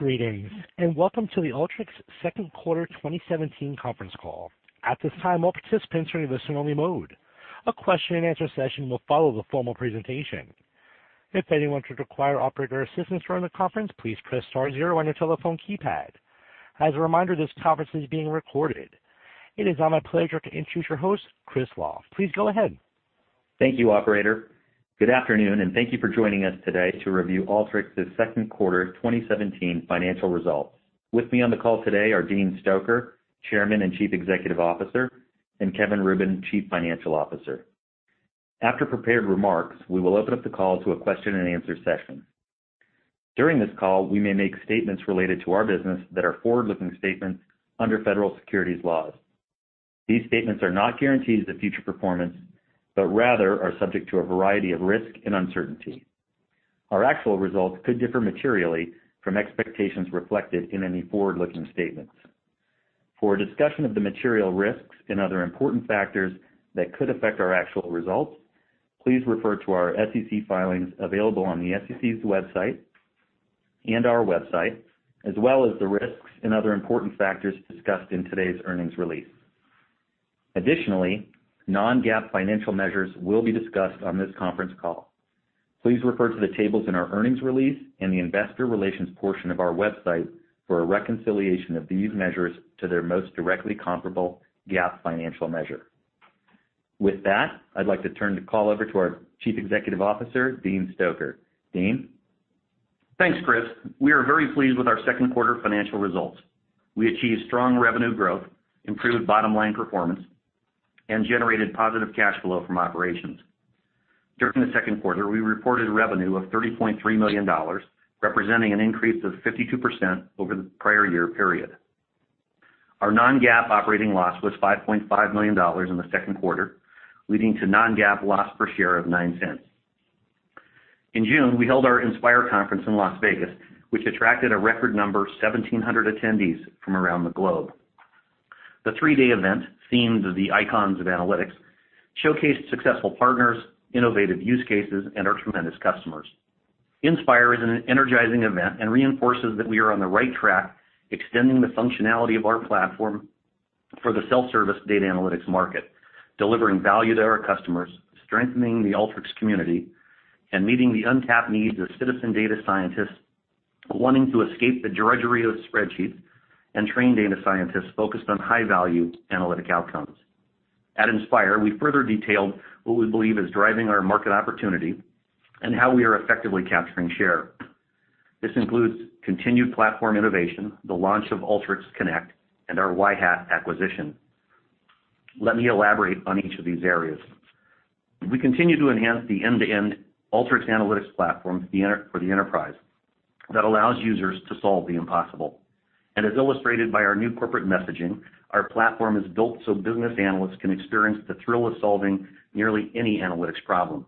Greetings, welcome to the Alteryx second quarter 2017 conference call. At this time, all participants are in listen-only mode. A question-and-answer session will follow the formal presentation. If anyone should require operator assistance during the conference, please press star zero on your telephone keypad. As a reminder, this conference is being recorded. It is now my pleasure to introduce your host, Chris Luff. Please go ahead. Thank you, operator. Good afternoon, thank you for joining us today to review Alteryx's second quarter 2017 financial results. With me on the call today are Dean Stoecker, Chairman and Chief Executive Officer, and Kevin Rubin, Chief Financial Officer. After prepared remarks, we will open up the call to a question-and-answer session. During this call, we may make statements related to our business that are forward-looking statements under federal securities laws. These statements are not guarantees of future performance, but rather are subject to a variety of risk and uncertainty. Our actual results could differ materially from expectations reflected in any forward-looking statements. For a discussion of the material risks and other important factors that could affect our actual results, please refer to our SEC filings available on the SEC's website and our website, as well as the risks and other important factors discussed in today's earnings release. Additionally, non-GAAP financial measures will be discussed on this conference call. Please refer to the tables in our earnings release in the investor relations portion of our website for a reconciliation of these measures to their most directly comparable GAAP financial measure. With that, I'd like to turn the call over to our Chief Executive Officer, Dean Stoecker. Dean? Thanks, Chris. We are very pleased with our second quarter financial results. We achieved strong revenue growth, improved bottom-line performance, and generated positive cash flow from operations. During the second quarter, we reported revenue of $30.3 million, representing an increase of 52% over the prior year period. Our non-GAAP operating loss was $5.5 million in the second quarter, leading to non-GAAP loss per share of $0.09. In June, we held our Inspire conference in Las Vegas, which attracted a record number, 1,700 attendees from around the globe. The three-day event, themed The Icons of Analytics, showcased successful partners, innovative use cases, and our tremendous customers. Inspire is an energizing event and reinforces that we are on the right track, extending the functionality of our platform for the self-service data analytics market, delivering value to our customers, strengthening the Alteryx community, and meeting the untapped needs of citizen data scientists wanting to escape the drudgery of spreadsheets and train data scientists focused on high-value analytic outcomes. At Inspire, we further detailed what we believe is driving our market opportunity and how we are effectively capturing share. This includes continued platform innovation, the launch of Alteryx Connect, and our Yhat acquisition. Let me elaborate on each of these areas. We continue to enhance the end-to-end Alteryx analytics platform for the enterprise that allows users to solve the impossible. As illustrated by our new corporate messaging, our platform is built so business analysts can experience the thrill of solving nearly any analytics problem.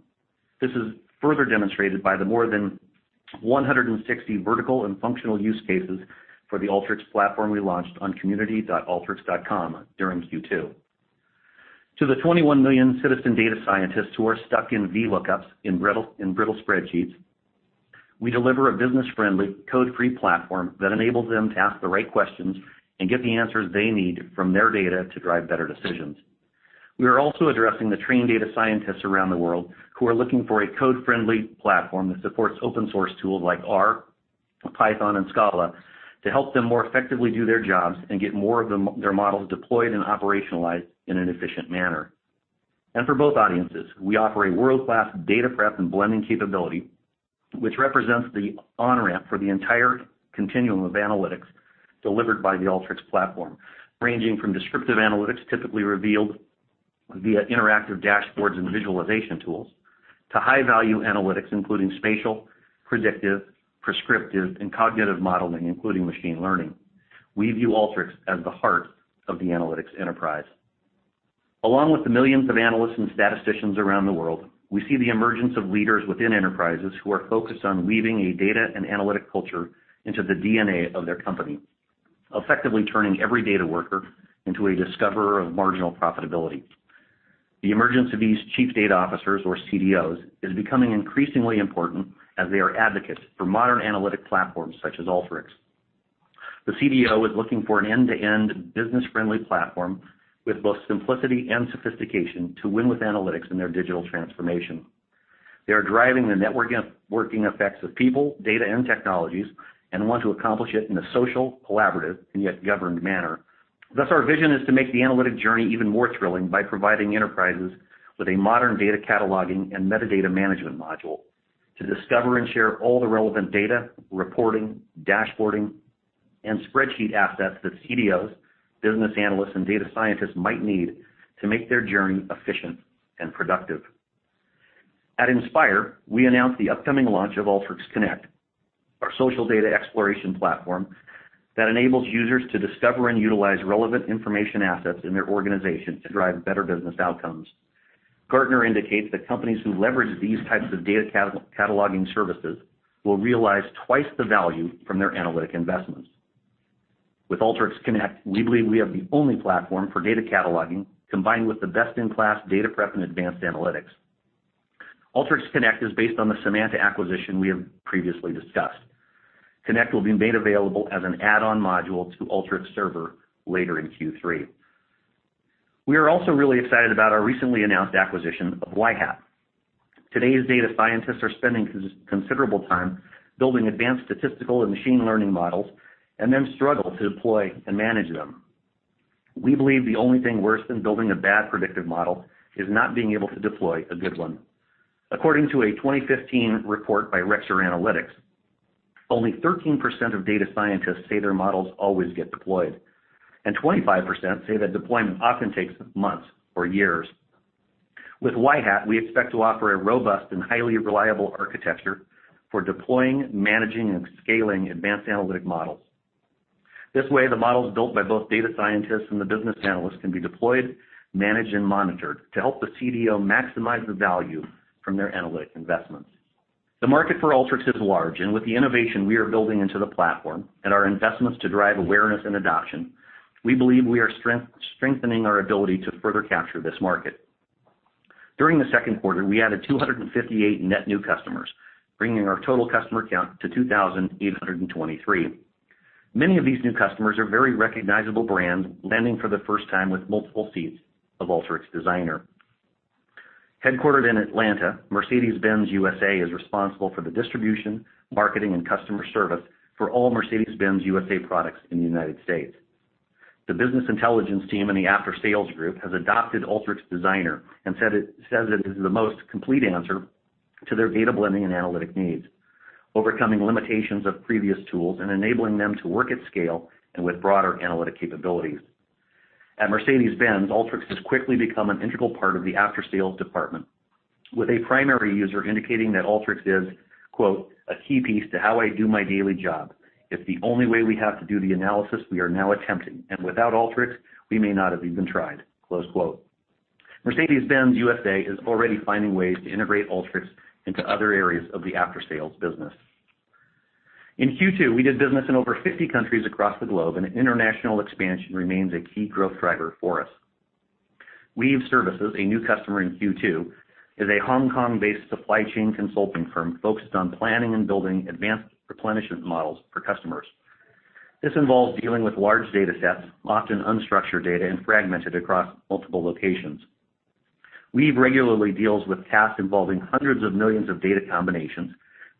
This is further demonstrated by the more than 160 vertical and functional use cases for the Alteryx platform we launched on community.alteryx.com during Q2. To the 21 million citizen data scientists who are stuck in VLOOKUPs in brittle spreadsheets, we deliver a business-friendly, code-free platform that enables them to ask the right questions and get the answers they need from their data to drive better decisions. We are also addressing the trained data scientists around the world who are looking for a code-friendly platform that supports open source tools like R, Python, and Scala to help them more effectively do their jobs and get more of their models deployed and operationalized in an efficient manner. For both audiences, we offer a world-class data prep and blending capability, which represents the on-ramp for the entire continuum of analytics delivered by the Alteryx platform, ranging from descriptive analytics, typically revealed via interactive dashboards and visualization tools, to high-value analytics, including spatial, predictive, prescriptive, and cognitive modeling, including machine learning. We view Alteryx as the heart of the analytics enterprise. Along with the millions of analysts and statisticians around the world, we see the emergence of leaders within enterprises who are focused on weaving a data and analytic culture into the DNA of their company, effectively turning every data worker into a discoverer of marginal profitability. The emergence of these Chief Data Officers, or CDOs, is becoming increasingly important, as they are advocates for modern analytic platforms such as Alteryx. The CDO is looking for an end-to-end business-friendly platform with both simplicity and sophistication to win with analytics in their digital transformation. They are driving the networking effects of people, data, and technologies, and want to accomplish it in a social, collaborative, and yet governed manner. Thus, our vision is to make the analytic journey even more thrilling by providing enterprises with a modern data cataloging and metadata management module to discover and share all the relevant data, reporting, dashboarding, and spreadsheet assets that CDOs, business analysts, and data scientists might need to make their journey efficient and productive. At Inspire, we announced the upcoming launch of Alteryx Connect, our social data exploration platform that enables users to discover and utilize relevant information assets in their organization to drive better business outcomes. Gartner indicates that companies who leverage these types of data cataloging services will realize twice the value from their analytic investments. With Alteryx Connect, we believe we have the only platform for data cataloging, combined with best-in-class data prep and advanced analytics. Alteryx Connect is based on the Semanta acquisition we have previously discussed. Connect will be made available as an add-on module to Alteryx Server later in Q3. We are also really excited about our recently announced acquisition of Yhat. Today's data scientists are spending considerable time building advanced statistical and machine learning models and then struggle to deploy and manage them. We believe the only thing worse than building a bad predictive model is not being able to deploy a good one. According to a 2015 report by Rexer Analytics, only 13% of data scientists say their models always get deployed, and 25% say that deployment often takes months or years. With Yhat, we expect to offer a robust and highly reliable architecture for deploying, managing, and scaling advanced analytic models. This way, the models built by both data scientists and the business analysts can be deployed, managed, and monitored to help the CDO maximize the value from their analytic investments. The market for Alteryx is large, and with the innovation we are building into the platform and our investments to drive awareness and adoption, we believe we are strengthening our ability to further capture this market. During the second quarter, we added 258 net new customers, bringing our total customer count to 2,823. Many of these new customers are very recognizable brands landing for the first time with multiple seats of Alteryx Designer. Headquartered in Atlanta, Mercedes-Benz USA is responsible for the distribution, marketing, and customer service for all Mercedes-Benz USA products in the U.S. The business intelligence team in the aftersales group has adopted Alteryx Designer and says it is the most complete answer to their data blending and analytic needs, overcoming limitations of previous tools and enabling them to work at scale and with broader analytic capabilities. At Mercedes-Benz, Alteryx has quickly become an integral part of the aftersales department, with a primary user indicating that Alteryx is, quote, "A key piece to how I do my daily job. It's the only way we have to do the analysis we are now attempting, and without Alteryx, we may not have even tried," close quote. Mercedes-Benz USA is already finding ways to integrate Alteryx into other areas of the aftersales business. In Q2, we did business in over 50 countries across the globe, and international expansion remains a key growth driver for us. Weave Services, a new customer in Q2, is a Hong Kong-based supply chain consulting firm focused on planning and building advanced replenishment models for customers. This involves dealing with large data sets, often unstructured data, and fragmented across multiple locations. Weave regularly deals with tasks involving hundreds of millions of data combinations,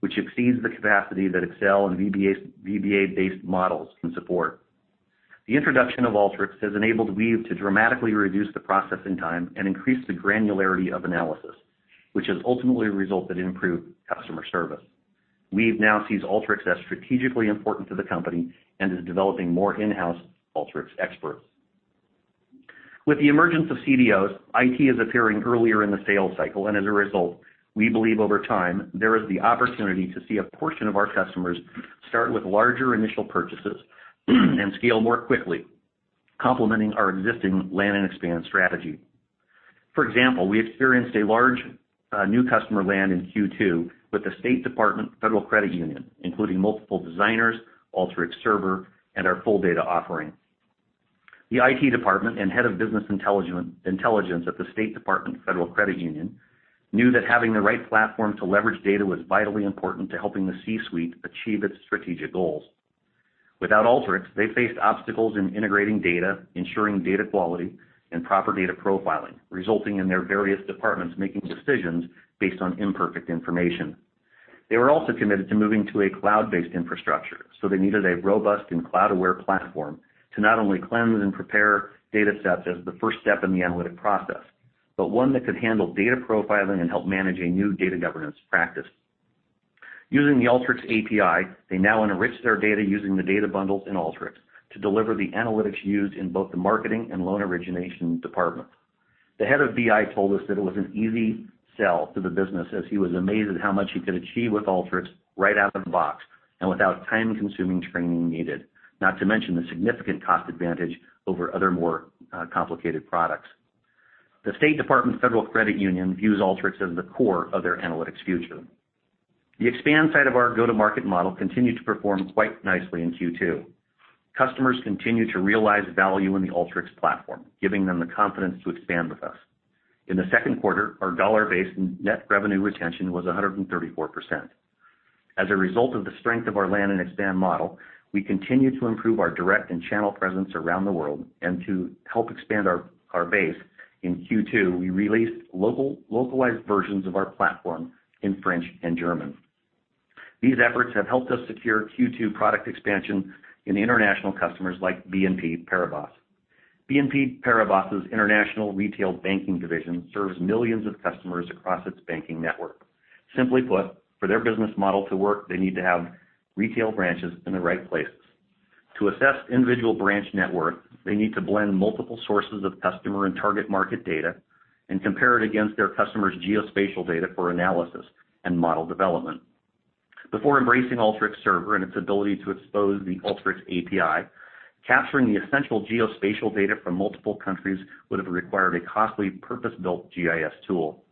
which exceeds the capacity that Excel and VBA-based models can support. The introduction of Alteryx has enabled Weave to dramatically reduce the processing time and increase the granularity of analysis, which has ultimately resulted in improved customer service. Weave now sees Alteryx as strategically important to the company and is developing more in-house Alteryx experts. With the emergence of CDOs, IT is appearing earlier in the sales cycle, and as a result, we believe over time, there is the opportunity to see a portion of our customers start with larger initial purchases and scale more quickly, complementing our existing land and expand strategy. For example, we experienced a large new customer land in Q2 with the State Department Federal Credit Union, including multiple Designers, Alteryx Server, and our full data offering. The IT department and head of business intelligence at the State Department Federal Credit Union knew that having the right platform to leverage data was vitally important to helping the C-suite achieve its strategic goals. Without Alteryx, they faced obstacles in integrating data, ensuring data quality, and proper data profiling, resulting in their various departments making decisions based on imperfect information. They were also committed to moving to a cloud-based infrastructure, they needed a robust and cloud-aware platform to not only cleanse and prepare data sets as the first step in the analytic process, but one that could handle data profiling and help manage a new data governance practice. Using the Alteryx API, they now enrich their data using the data bundles in Alteryx to deliver the analytics used in both the marketing and loan origination departments. The head of BI told us that it was an easy sell to the business, as he was amazed at how much he could achieve with Alteryx right out of the box and without time-consuming training needed, not to mention the significant cost advantage over other, more complicated products. The State Department Federal Credit Union views Alteryx as the core of their analytics future. The expand side of our go-to-market model continued to perform quite nicely in Q2. Customers continue to realize value in the Alteryx platform, giving them the confidence to expand with us. In the second quarter, our dollar-based net revenue retention was 134%. As a result of the strength of our land and expand model, we continue to improve our direct and channel presence around the world and to help expand our base. In Q2, we released localized versions of our platform in French and German. These efforts have helped us secure Q2 product expansion in international customers like BNP Paribas. BNP Paribas' international retail banking division serves millions of customers across its banking network. Simply put, for their business model to work, they need to have retail branches in the right places. To assess individual branch network, they need to blend multiple sources of customer and target market data and compare it against their customers' geospatial data for analysis and model development. Before embracing Alteryx Server and its ability to expose the Alteryx API, capturing the essential geospatial data from multiple countries would have required a costly purpose-built GIS tool.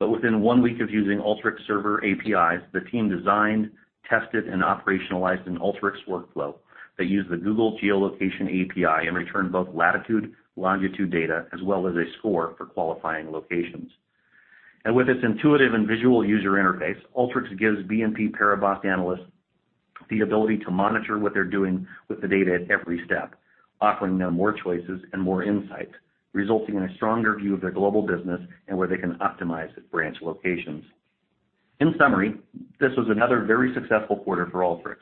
Within one week of using Alteryx Server APIs, the team designed, tested, and operationalized an Alteryx workflow that used the Google geolocation API and returned both latitude, longitude data, as well as a score for qualifying locations. With its intuitive and visual user interface, Alteryx gives BNP Paribas analysts the ability to monitor what they're doing with the data at every step, offering them more choices and more insights, resulting in a stronger view of their global business and where they can optimize its branch locations. In summary, this was another very successful quarter for Alteryx.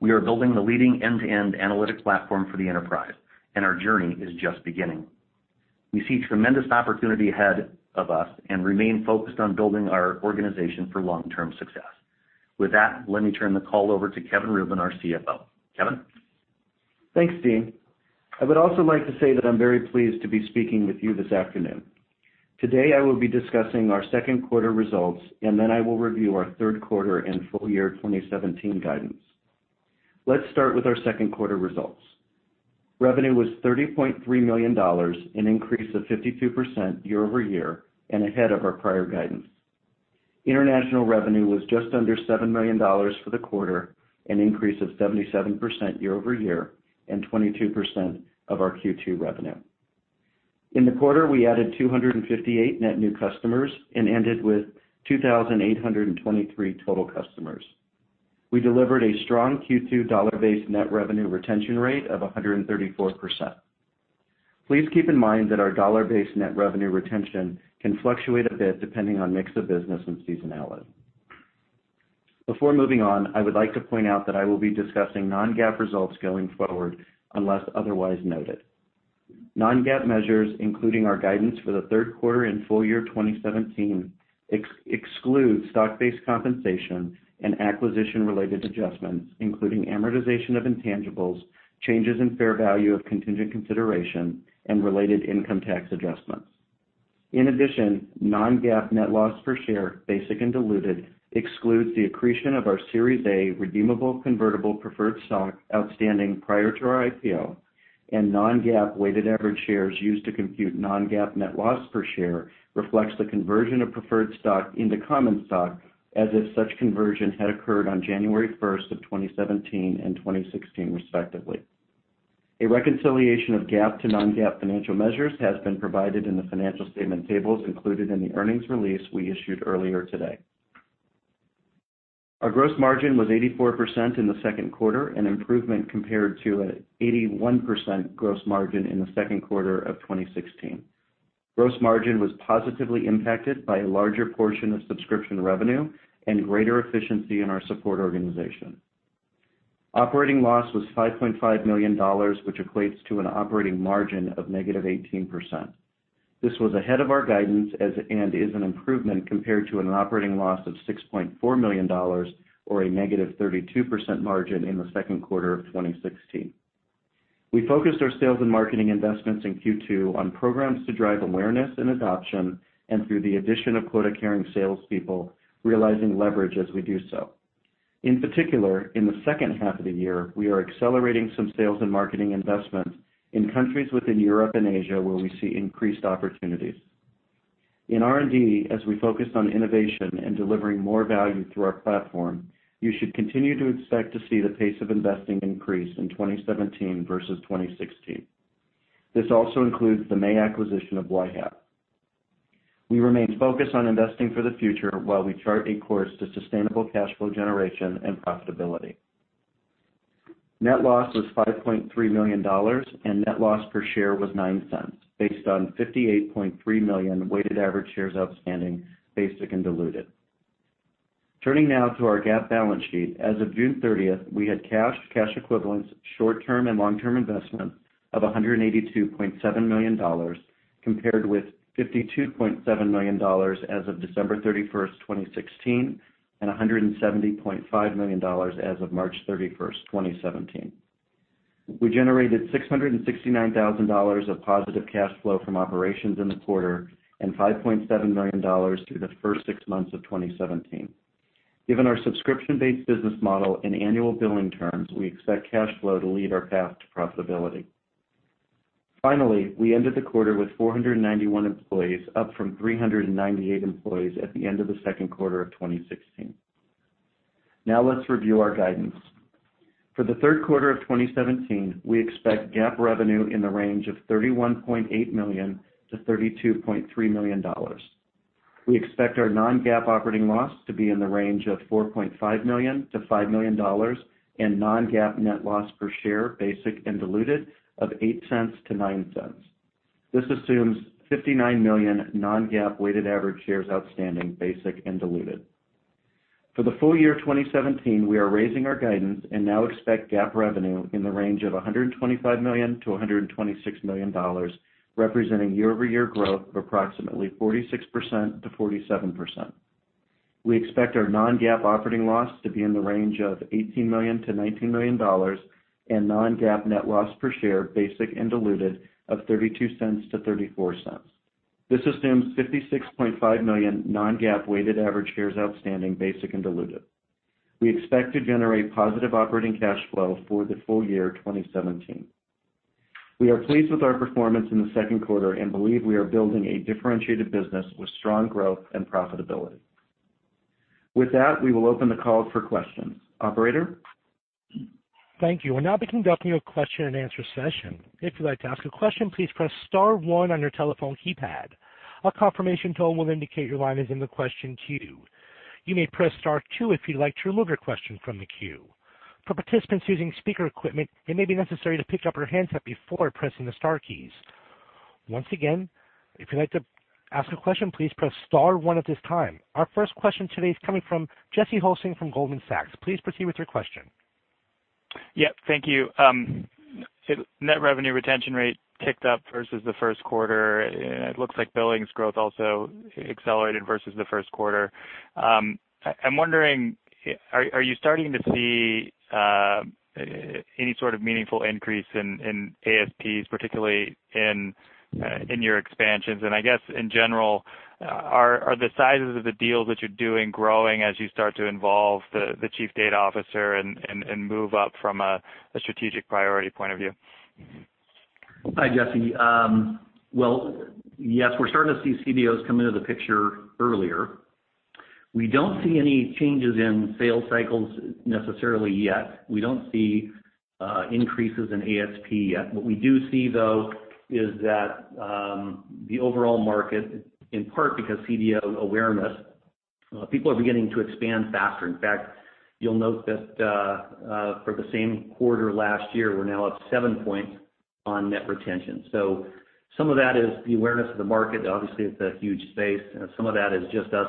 We are building the leading end-to-end analytics platform for the enterprise, and our journey is just beginning. We see tremendous opportunity ahead of us and remain focused on building our organization for long-term success. With that, let me turn the call over to Kevin Rubin, our CFO. Kevin? Thanks, Dean. I would also like to say that I'm very pleased to be speaking with you this afternoon. Today, I will be discussing our second quarter results. I will review our third quarter and full year 2017 guidance. Let's start with our second quarter results. Revenue was $30.3 million, an increase of 52% year-over-year, and ahead of our prior guidance. International revenue was just under $7 million for the quarter, an increase of 77% year-over-year, and 22% of our Q2 revenue. In the quarter, we added 258 net new customers and ended with 2,823 total customers. We delivered a strong Q2 dollar-based net revenue retention rate of 134%. Please keep in mind that our dollar-based net revenue retention can fluctuate a bit depending on mix of business and seasonality. Before moving on, I would like to point out that I will be discussing non-GAAP results going forward, unless otherwise noted. Non-GAAP measures, including our guidance for the third quarter and full year 2017, exclude stock-based compensation and acquisition-related adjustments, including amortization of intangibles, changes in fair value of contingent consideration, and related income tax adjustments. In addition, non-GAAP net loss per share, basic and diluted, excludes the accretion of our Series A redeemable convertible preferred stock outstanding prior to our IPO. Non-GAAP weighted average shares used to compute non-GAAP net loss per share reflects the conversion of preferred stock into common stock as if such conversion had occurred on January 1st of 2017 and 2016 respectively. A reconciliation of GAAP to non-GAAP financial measures has been provided in the financial statement tables included in the earnings release we issued earlier today. Our gross margin was 84% in the second quarter, an improvement compared to an 81% gross margin in the second quarter of 2016. Gross margin was positively impacted by a larger portion of subscription revenue and greater efficiency in our support organization. Operating loss was $5.5 million, which equates to an operating margin of negative 18%. This was ahead of our guidance and is an improvement compared to an operating loss of $6.4 million, or a negative 32% margin in the second quarter of 2016. We focused our sales and marketing investments in Q2 on programs to drive awareness and adoption, through the addition of quota-carrying salespeople, realizing leverage as we do so. In particular, in the second half of the year, we are accelerating some sales and marketing investment in countries within Europe and Asia where we see increased opportunities. In R&D, as we focus on innovation and delivering more value through our platform, you should continue to expect to see the pace of investing increase in 2017 versus 2016. This also includes the May acquisition of Yhat. We remain focused on investing for the future while we chart a course to sustainable cash flow generation and profitability. Net loss was $5.3 million, and net loss per share was $0.09, based on 58.3 million weighted average shares outstanding, basic and diluted. Turning now to our GAAP balance sheet, as of June 30th, we had cash equivalents, short-term and long-term investments of $182.7 million, compared with $52.7 million as of December 31st, 2016, and $170.5 million as of March 31st, 2017. We generated $669,000 of positive cash flow from operations in the quarter and $5.7 million through the first six months of 2017. Given our subscription-based business model and annual billing terms, we expect cash flow to lead our path to profitability. Finally, we ended the quarter with 491 employees, up from 398 employees at the end of the second quarter of 2016. Let's review our guidance. For the third quarter of 2017, we expect GAAP revenue in the range of $31.8 million to $32.3 million. We expect our non-GAAP operating loss to be in the range of $4.5 million to $5 million, and non-GAAP net loss per share, basic and diluted, of $0.08-$0.09. This assumes 59 million non-GAAP weighted average shares outstanding, basic and diluted. For the full year 2017, we are raising our guidance and now expect GAAP revenue in the range of $125 million to $126 million, representing year-over-year growth of approximately 46%-47%. We expect our non-GAAP operating loss to be in the range of $18 million to $19 million and non-GAAP net loss per share, basic and diluted, of $0.32-$0.34. This assumes 56.5 million non-GAAP weighted average shares outstanding, basic and diluted. We expect to generate positive operating cash flow for the full year 2017. We are pleased with our performance in the second quarter and believe we are building a differentiated business with strong growth and profitability. With that, we will open the call for questions. Operator? Thank you. We'll now be conducting a question and answer session. If you'd like to ask a question, please press *1 on your telephone keypad. A confirmation tone will indicate your line is in the question queue. You may press *2 if you'd like to remove your question from the queue. For participants using speaker equipment, it may be necessary to pick up your handset before pressing the star keys. Once again, if you'd like to ask a question, please press *1 at this time. Our first question today is coming from Jesse Hulsing from Goldman Sachs. Please proceed with your question. Yep, thank you. Net revenue retention rate ticked up versus the first quarter, and it looks like billings growth also accelerated versus the first quarter. I'm wondering, are you starting to see any sort of meaningful increase in ASPs, particularly in your expansions? I guess in general, are the sizes of the deals that you're doing growing as you start to involve the Chief Data Officer and move up from a strategic priority point of view? Hi, Jesse. Well, yes, we're starting to see CDOs come into the picture earlier. We don't see any changes in sales cycles necessarily yet. We don't see increases in ASP yet. What we do see, though, is that the overall market, in part because CDO awareness, people are beginning to expand faster. In fact, you'll note that for the same quarter last year, we're now up seven points on net retention. Some of that is the awareness of the market. Obviously, it's a huge space, and some of that is just us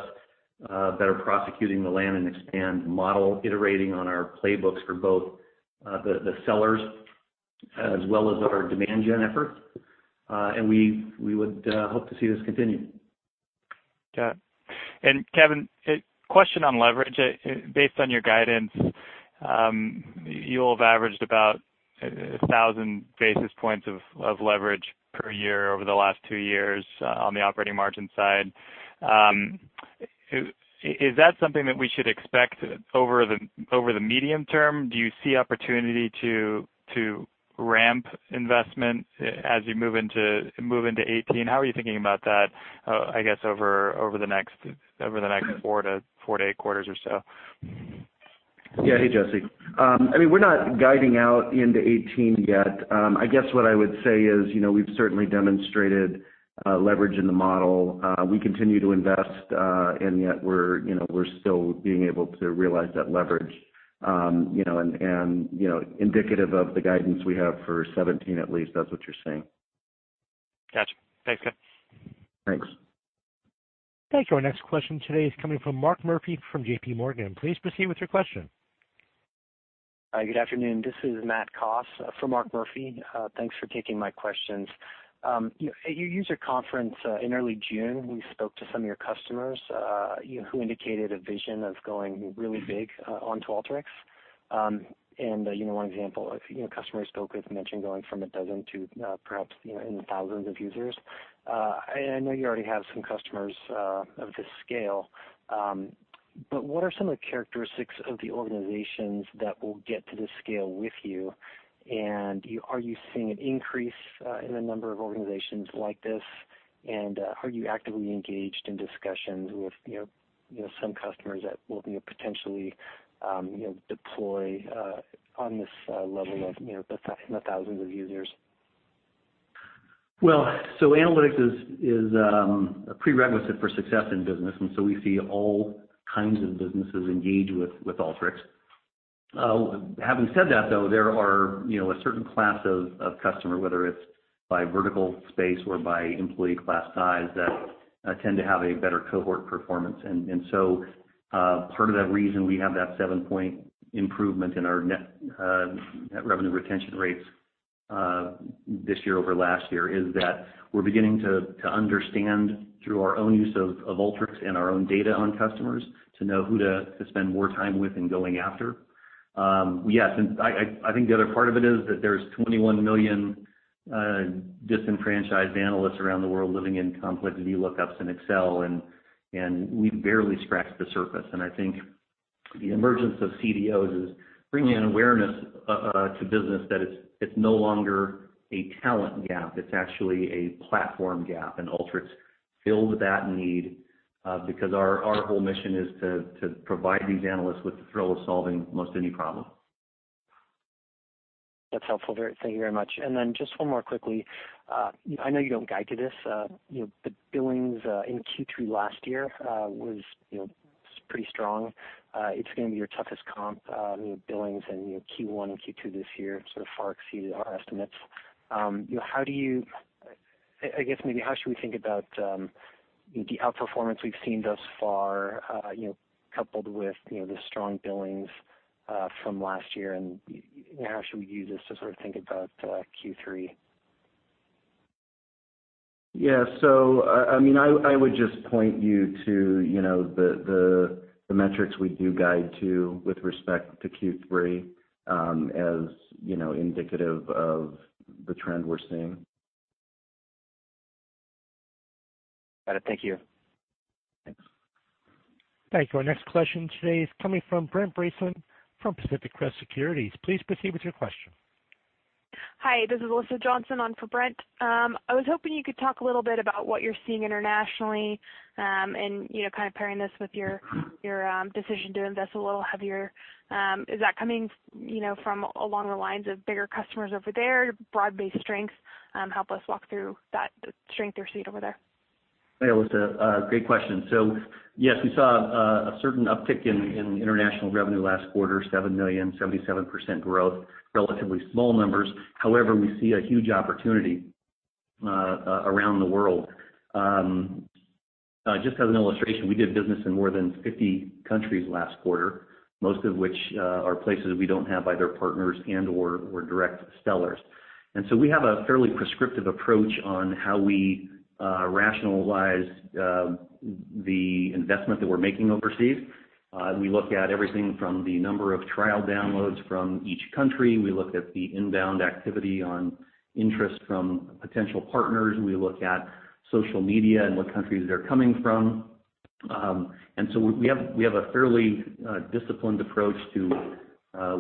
better prosecuting the land and expand model, iterating on our playbooks for both the sellers as well as our demand gen efforts. We would hope to see this continue. Got it. Kevin, a question on leverage. Based on your guidance, you'll have averaged about 1,000 basis points of leverage per year over the last two years on the operating margin side. Is that something that we should expect over the medium term? Do you see opportunity to ramp investment as you move into 2018? How are you thinking about that, I guess, over the next four to eight quarters or so? Yeah. Hey, Jesse. We're not guiding out into 2018 yet. I guess what I would say is, we've certainly demonstrated leverage in the model. We continue to invest, and yet we're still being able to realize that leverage. Indicative of the guidance we have for 2017 at least, that's what you're seeing. Got you. Thanks, Kevin. Thanks. Thank you. Our next question today is coming from Mark Murphy from JP Morgan. Please proceed with your question. Hi, good afternoon. This is Matt Koss for Mark Murphy. Thanks for taking my questions. At your user conference in early June, we spoke to some of your customers who indicated a vision of going really big onto Alteryx. One example a customer spoke with mentioned going from a dozen to perhaps in the thousands of users. I know you already have some customers of this scale, but what are some of the characteristics of the organizations that will get to this scale with you? Are you seeing an increase in the number of organizations like this, and are you actively engaged in discussions with some customers that will potentially deploy on this level of the thousands of users? Analytics is a prerequisite for success in business, and so we see all kinds of businesses engage with Alteryx. Having said that, though, there are a certain class of customer, whether it's by vertical space or by employee class size, that tend to have a better cohort performance. Part of that reason we have that seven-point improvement in our net revenue retention rates this year over last year is that we're beginning to understand through our own use of Alteryx and our own data on customers to know who to spend more time with in going after. I think the other part of it is that there's 21 million disenfranchised analysts around the world living in complex VLOOKUPs in Excel. We've barely scratched the surface. I think the emergence of CDOs is bringing an awareness to business that it's no longer a talent gap. It's actually a platform gap, and Alteryx fills that need, because our whole mission is to provide these analysts with the thrill of solving most any problem. That's helpful. Thank you very much. Then just one more quickly. I know you don't guide to this. The billings in Q3 last year was pretty strong. It's going to be your toughest comp. Billings in your Q1 and Q2 this year sort of far exceeded our estimates. I guess maybe how should we think about the outperformance we've seen thus far coupled with the strong billings from last year, and how should we use this to sort of think about Q3? Yeah. I would just point you to the metrics we do guide to with respect to Q3 as indicative of the trend we're seeing. Got it. Thank you. Thanks. Thank you. Our next question today is coming from Brent Bracelin from Pacific Crest Securities. Please proceed with your question. Hi, this is Alyssa Johnson on for Brent. I was hoping you could talk a little bit about what you're seeing internationally, and kind of pairing this with your decision to invest a little heavier. Is that coming from along the lines of bigger customers over there, broad-based strengths? Help us walk through that strength you're seeing over there. Hi, Alyssa. Great question. Yes, we saw a certain uptick in international revenue last quarter, $7 million, 77% growth. Relatively small numbers. However, we see a huge opportunity around the world. Just as an illustration, we did business in more than 50 countries last quarter, most of which are places we don't have either partners and/or direct sellers. We have a fairly prescriptive approach on how we rationalize the investment that we're making overseas. We look at everything from the number of trial downloads from each country. We look at the inbound activity on interest from potential partners. We look at social media and what countries they're coming from. We have a fairly disciplined approach to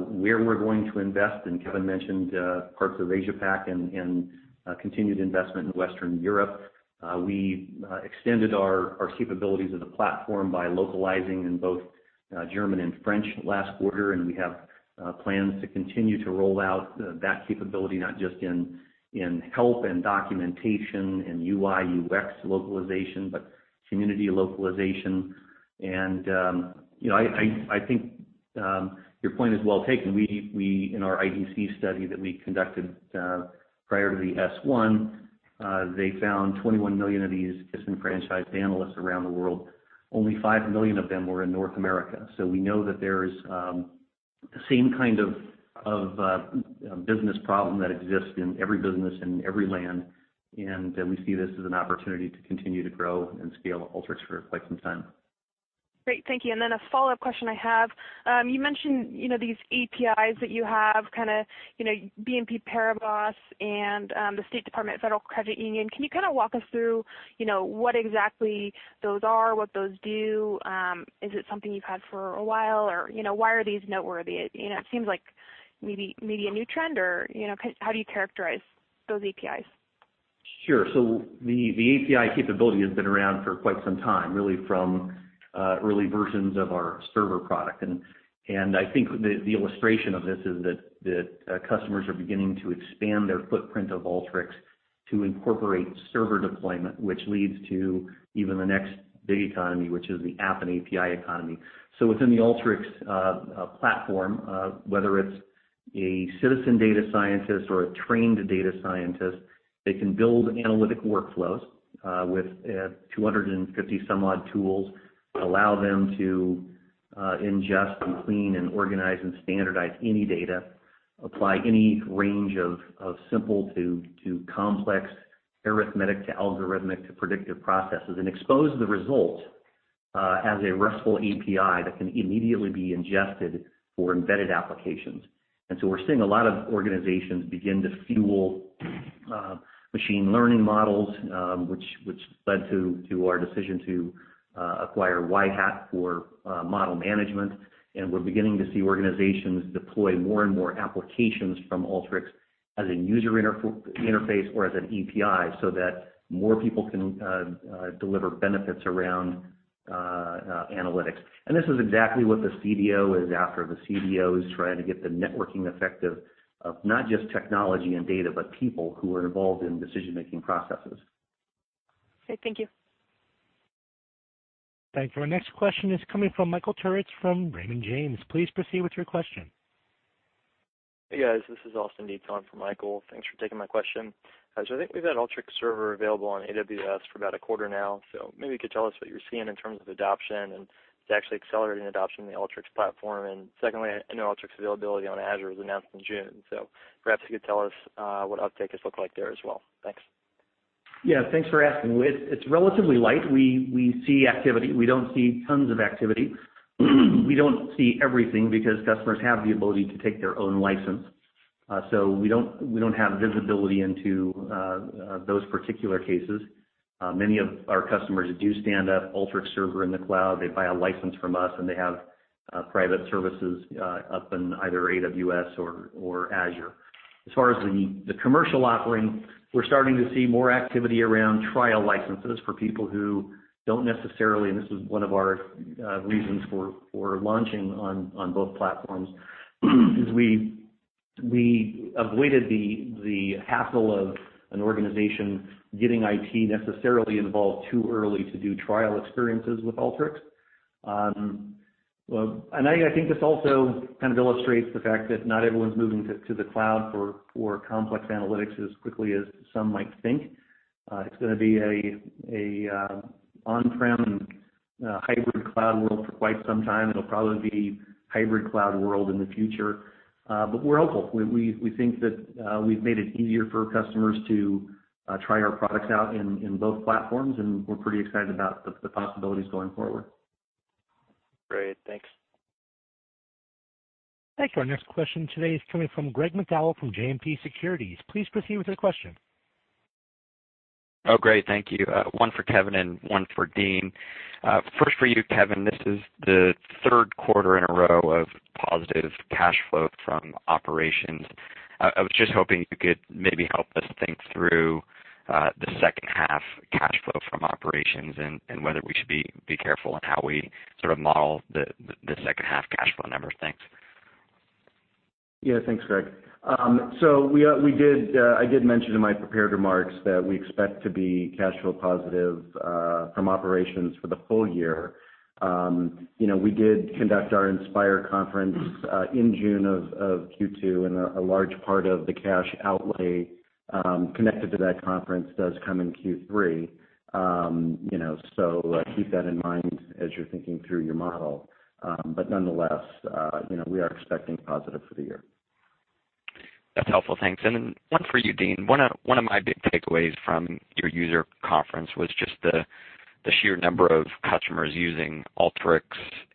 where we're going to invest, and Kevin mentioned parts of Asia-Pac and continued investment in Western Europe. We extended our capabilities of the platform by localizing in both German and French last quarter, and we have plans to continue to roll out that capability, not just in help and documentation and UI/UX localization, but community localization. I think your point is well taken. We, in our IDC study that we conducted prior to the S-1, they found 21 million of these disenfranchised analysts around the world. Only five million of them were in North America. We know that there's the same kind of business problem that exists in every business, in every land, and we see this as an opportunity to continue to grow and scale Alteryx for quite some time. Great. Thank you. A follow-up question I have. You mentioned these APIs that you have, kind of BNP Paribas and the State Department Federal Credit Union. Can you kind of walk us through what exactly those are, what those do? Is it something you've had for a while? Or why are these noteworthy? It seems like maybe a new trend, or how do you characterize those APIs? Sure. The API capability has been around for quite some time, really from early versions of our server product. I think the illustration of this is that customers are beginning to expand their footprint of Alteryx to incorporate server deployment, which leads to even the next big economy, which is the app and API economy. Within the Alteryx platform, whether it's a citizen data scientist or a trained data scientist, they can build analytic workflows with 250 some odd tools that allow them to ingest and clean and organize and standardize any data, apply any range of simple to complex arithmetic to algorithmic to predictive processes, and expose the result as a RESTful API that can immediately be ingested for embedded applications. We're seeing a lot of organizations begin to fuel machine learning models, which led to our decision to acquire Yhat for model management. We're beginning to see organizations deploy more and more applications from Alteryx as a user interface or as an API so that more people can deliver benefits around analytics. This is exactly what the CDO is after. The CDO is trying to get the networking effect of not just technology and data, but people who are involved in decision-making processes. Great. Thank you. Thank you. Our next question is coming from Michael Turits from Raymond James. Please proceed with your question. Hey, guys. This is Austin Ditmore for Michael. Thanks for taking my question. I think we've had Alteryx Server available on AWS for about a quarter now. Maybe you could tell us what you're seeing in terms of adoption, it's actually accelerating adoption in the Alteryx platform. Secondly, I know Alteryx availability on Azure was announced in June, perhaps you could tell us what uptake has looked like there as well. Thanks. Yeah. Thanks for asking. It's relatively light. We see activity. We don't see tons of activity. We don't see everything because customers have the ability to take their own license. We don't have visibility into those particular cases. Many of our customers do stand up Alteryx Server in the cloud. They buy a license from us, and they have private services up in either AWS or Azure. As far as the commercial offering, we're starting to see more activity around trial licenses for people who don't necessarily-- and this is one of our reasons for launching on both platforms, is we avoided the hassle of an organization getting IT necessarily involved too early to do trial experiences with Alteryx. I think this also kind of illustrates the fact that not everyone's moving to the cloud for complex analytics as quickly as some might think. It's going to be an on-prem and hybrid cloud world for quite some time. It'll probably be hybrid cloud world in the future. We're hopeful. We think that we've made it easier for customers to try our products out in both platforms, we're pretty excited about the possibilities going forward. Great. Thanks. Thank you. Our next question today is coming from Greg McDowell from JMP Securities. Please proceed with your question. Great. Thank you. One for Kevin and one for Dean. First for you, Kevin. This is the third quarter in a row of positive cash flow from operations. I was just hoping you could maybe help us think through the second half cash flow from operations and whether we should be careful in how we model the second half cash flow numbers. Thanks. Thanks, Greg. I did mention in my prepared remarks that we expect to be cash flow positive from operations for the whole year. We did conduct our Inspire conference in June of Q2, and a large part of the cash outlay connected to that conference does come in Q3. Keep that in mind as you're thinking through your model. Nonetheless, we are expecting positive for the year. That's helpful. Thanks. One for you, Dean. One of my big takeaways from your user conference was just the sheer number of customers using Alteryx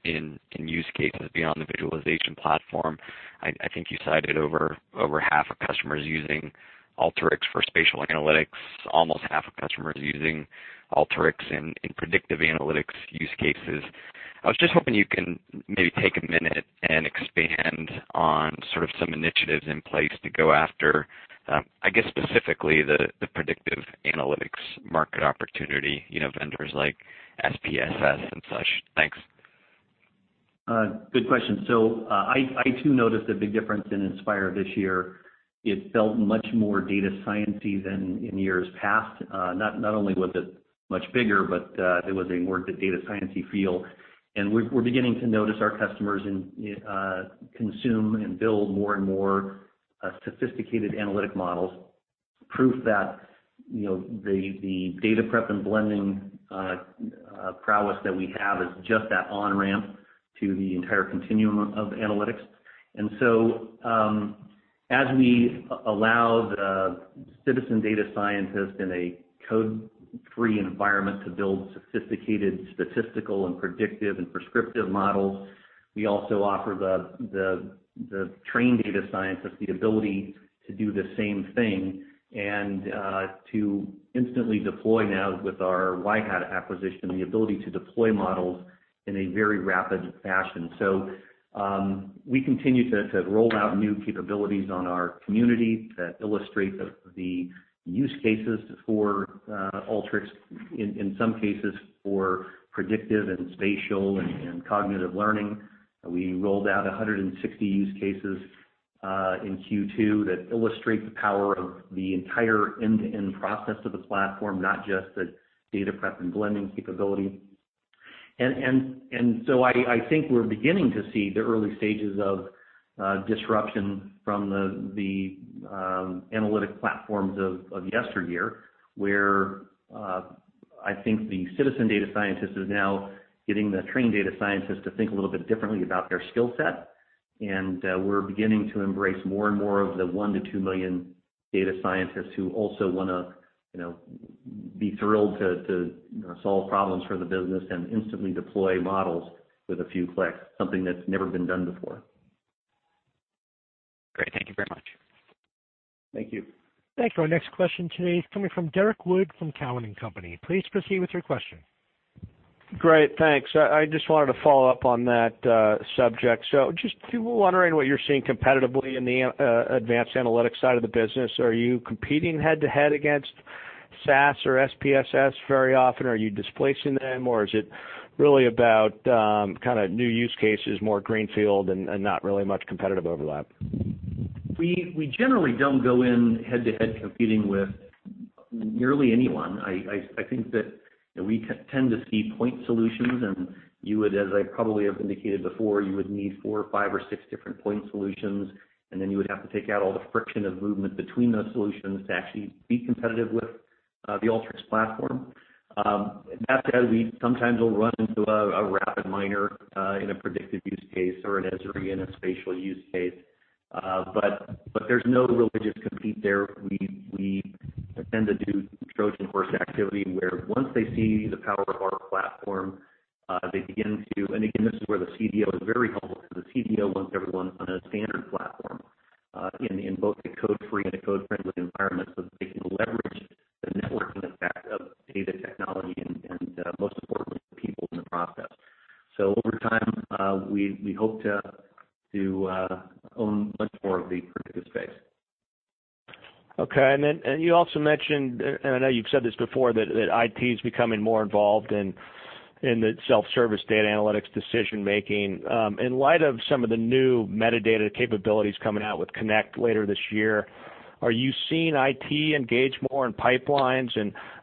in use cases beyond the visualization platform. I think you cited over half of customers using Alteryx for spatial analytics, almost half of customers using Alteryx in predictive analytics use cases. I was just hoping you can maybe take a minute and expand on some initiatives in place to go after, I guess specifically the predictive analytics market opportunity, vendors like SPSS and such. Thanks. Good question. I too noticed a big difference in Inspire this year. It felt much more data science-y than in years past. Not only was it much bigger, but there was a more data science-y feel. We're beginning to notice our customers consume and build more and more sophisticated analytic models. Proof that the data prep and blending prowess that we have is just that on-ramp to the entire continuum of analytics. As we allow the citizen data scientist in a code-free environment to build sophisticated statistical and predictive and prescriptive models, we also offer the trained data scientist the ability to do the same thing, and to instantly deploy now with our Yhat acquisition, the ability to deploy models in a very rapid fashion. We continue to roll out new capabilities on our community that illustrate the use cases for Alteryx, in some cases for predictive and spatial and cognitive learning. We rolled out 160 use cases in Q2 that illustrate the power of the entire end-to-end process of the platform, not just the data prep and blending capability. I think we're beginning to see the early stages of disruption from the analytic platforms of yesteryear, where I think the citizen data scientist is now getting the trained data scientist to think a little bit differently about their skillset. We're beginning to embrace more and more of the 1 million-2 million data scientists who also want to be thrilled to solve problems for the business and instantly deploy models with a few clicks. Something that's never been done before. Great. Thank you very much. Thank you. Thank you. Our next question today is coming from Derrick Wood from Cowen and Company. Please proceed with your question. Great. Thanks. I just wanted to follow up on that subject. Just wondering what you're seeing competitively in the advanced analytics side of the business. Are you competing head-to-head against SAS or SPSS very often? Are you displacing them, or is it really about new use cases, more greenfield and not really much competitive overlap? We generally don't go in head-to-head competing with nearly anyone. I think that we tend to see point solutions, and you would, as I probably have indicated before, you would need four, five, or six different point solutions, and then you would have to take out all the friction of movement between those solutions to actually be competitive with the Alteryx platform. That said, we sometimes will run into a RapidMiner in a predictive use case or an Esri in a spatial use case. There's no religious compete there. We tend to do Trojan horse activity where once they see the power of our platform, they begin to, and again, this is where the CDO is very helpful, because the CDO wants everyone on a standard platform, in both a code-free and a code-friendly environment so that they can leverage the networking effect of data technology and most importantly, people in the process. Over time, we hope to own much more of the predictive space. Okay. You also mentioned, and I know you've said this before, that IT is becoming more involved in the self-service data analytics decision making. In light of some of the new metadata capabilities coming out with Alteryx Connect later this year, are you seeing IT engage more in pipelines?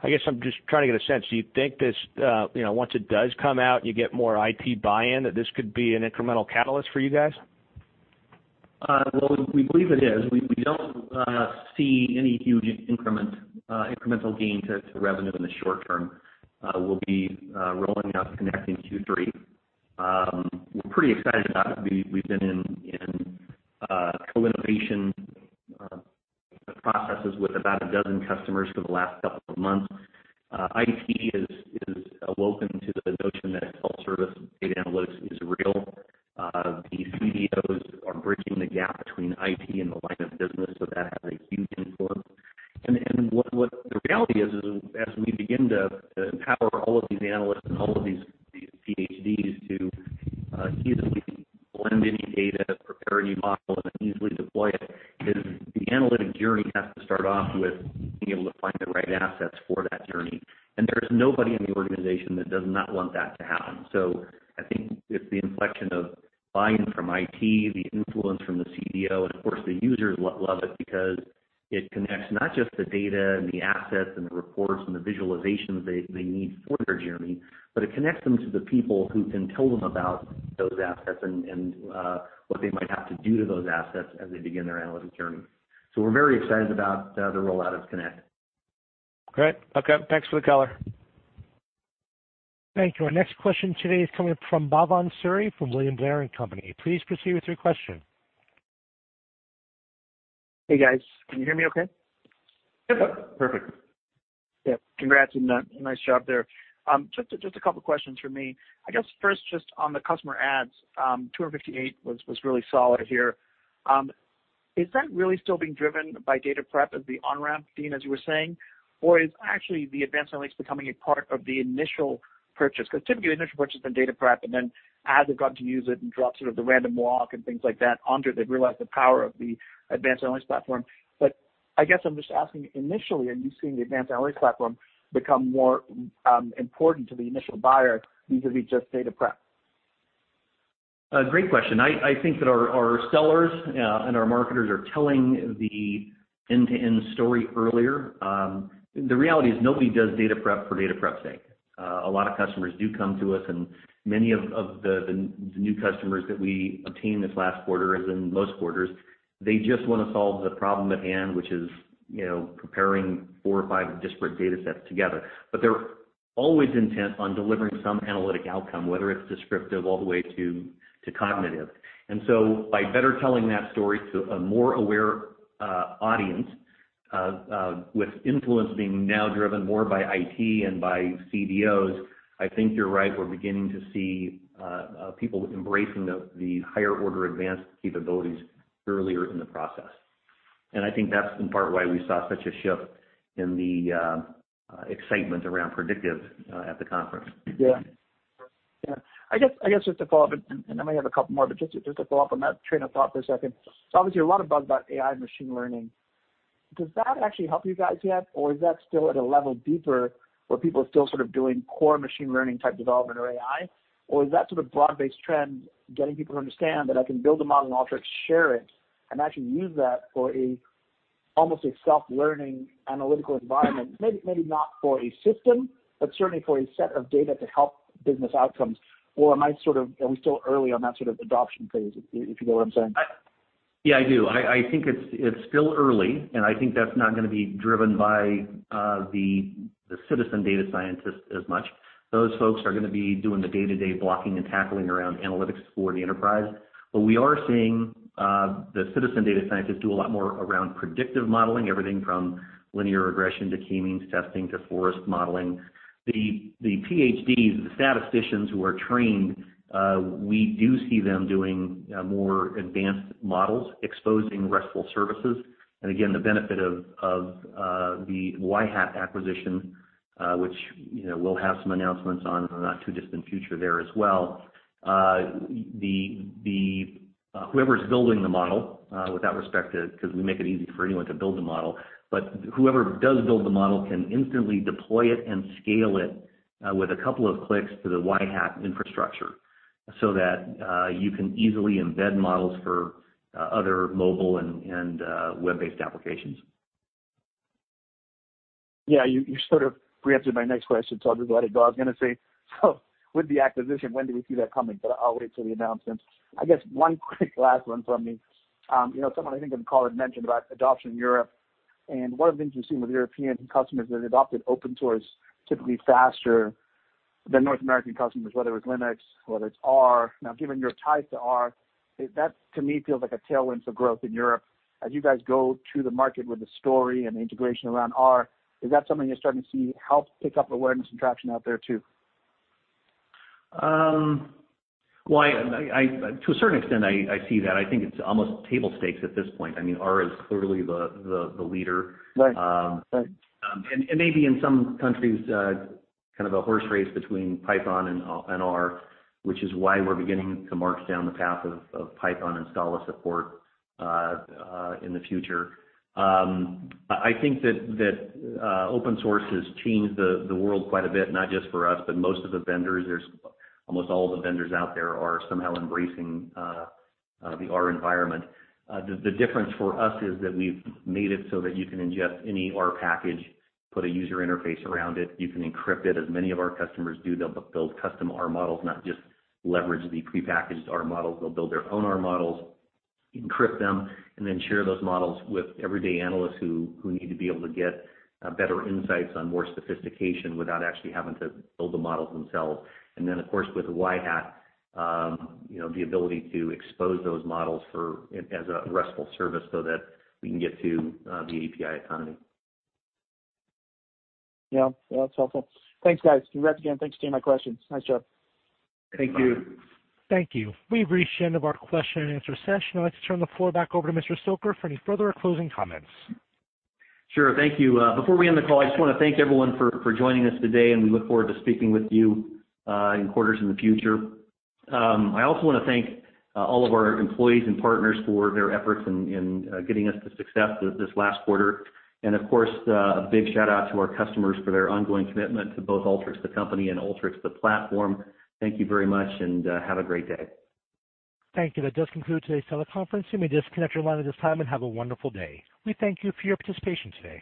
I guess I'm just trying to get a sense. Do you think this, once it does come out and you get more IT buy-in, that this could be an incremental catalyst for you guys? Well, we believe it is. We don't see any huge incremental gain to revenue in the short term. We'll be rolling out Alteryx Connect in Q3. We're pretty excited about it. We've been in co-innovation with about a dozen customers for the last couple of months. IT is awoken to the notion that self-service data analytics is real. The CDOs Thank you. Our next question today is coming from Bhavan Suri from William Blair & Company. Please proceed with your question. Hey, guys. Can you hear me okay? Yes, sir. Perfect. Yeah. Congrats on that. Nice job there. Just a couple questions from me. I guess first, just on the customer adds, 258 was really solid here. Is that really still being driven by data prep as the on-ramp theme, as you were saying? Or is actually the advanced analytics becoming a part of the initial purchase? Because typically, initial purchase and data prep, and then as they've gotten to use it and drop sort of the random walk and things like that onto it, they've realized the power of the advanced analytics platform. I guess I'm just asking, initially, are you seeing the advanced analytics platform become more important to the initial buyer vis-a-vis just data prep? A great question. I think that our sellers and our marketers are telling the end-to-end story earlier. The reality is nobody does data prep for data prep's sake. A lot of customers do come to us, and many of the new customers that we obtained this last quarter, as in most quarters, they just want to solve the problem at hand, which is preparing four or five disparate data sets together. They're always intent on delivering some analytic outcome, whether it's descriptive all the way to cognitive. By better telling that story to a more aware audience, with influence being now driven more by IT and by CDOs, I think you're right. We're beginning to see people embracing the higher order advanced capabilities earlier in the process. I think that's in part why we saw such a shift in the excitement around predictive at the conference. Yeah. I guess just to follow up, and I may have a couple more, but just to follow up on that train of thought for a second. Obviously, a lot of buzz about AI machine learning. Does that actually help you guys yet? Is that still at a level deeper, where people are still sort of doing core machine learning type development or AI? Is that sort of broad-based trend getting people to understand that I can build a model in Alteryx, share it, and actually use that for almost a self-learning analytical environment, maybe not for a system, but certainly for a set of data to help business outcomes? Are we still early on that sort of adoption phase, if you get what I'm saying? Yeah, I do. I think it's still early, and I think that's not going to be driven by the citizen data scientists as much. Those folks are going to be doing the day-to-day blocking and tackling around analytics for the enterprise. We are seeing the citizen data scientists do a lot more around predictive modeling, everything from linear regression to K-means testing to forest modeling. The PhDs, the statisticians who are trained, we do see them doing more advanced models, exposing RESTful services. Again, the benefit of the Yhat acquisition, which we'll have some announcements on in the not-too-distant future there as well. Whoever's building the model, with that respect to, because we make it easy for anyone to build a model, but whoever does build the model can instantly deploy it and scale it with a couple of clicks to the Yhat infrastructure so that you can easily embed models for other mobile and web-based applications. You sort of preempted my next question, I'll just let it go. I was going to say, with the acquisition, when do we see that coming? I'll wait till the announcement. I guess one quick last one from me. Someone, I think on the call, had mentioned about adoption in Europe, what I've been seeing with European customers is they've adopted open source typically faster than North American customers, whether it's Linux, whether it's R. Given your ties to R, that to me feels like a tailwind for growth in Europe. As you guys go to the market with the story and the integration around R, is that something you're starting to see help pick up awareness and traction out there too? To a certain extent, I see that. I think it's almost table stakes at this point. R is clearly the leader. Right. Maybe in some countries, kind of a horse race between Python and R, which is why we're beginning to march down the path of Python install and support in the future. I think that open source has changed the world quite a bit, not just for us, but most of the vendors. Almost all of the vendors out there are somehow embracing the R environment. The difference for us is that we've made it so that you can ingest any R package, put a user interface around it. You can encrypt it, as many of our customers do. They'll build custom R models, not just leverage the prepackaged R models. They'll build their own R models, encrypt them, and then share those models with everyday analysts who need to be able to get better insights on more sophistication without actually having to build the models themselves. Of course, with Yhat, the ability to expose those models as a RESTful service so that we can get to the API economy. Yeah. That's helpful. Thanks, guys. Congrats again. Thanks for taking my questions. Nice job. Thank you. Thank you. We've reached the end of our question and answer session. I'd like to turn the floor back over to Mr. Stoecker for any further closing comments. Sure. Thank you. Before we end the call, I just want to thank everyone for joining us today. We look forward to speaking with you in quarters in the future. I also want to thank all of our employees and partners for their efforts in getting us to success this last quarter. Of course, a big shout-out to our customers for their ongoing commitment to both Alteryx the company and Alteryx the platform. Thank you very much. Have a great day. Thank you. That does conclude today's teleconference. You may disconnect your line at this time, and have a wonderful day. We thank you for your participation today.